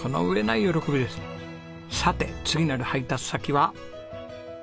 さて次なる配達先は。